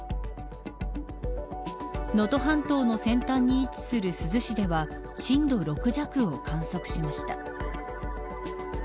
能登半島の先端に位置する珠洲市では震度６弱を観測しました。